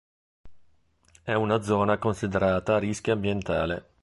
È una zona considerata a rischio ambientale.